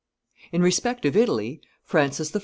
In respect of Italy, Francis I.